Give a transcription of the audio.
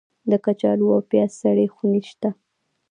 د کچالو او پیاز سړې خونې شته؟